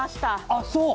あっそう？